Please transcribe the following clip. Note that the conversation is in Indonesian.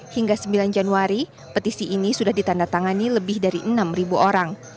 hingga sembilan januari petisi ini sudah ditandatangani lebih dari enam orang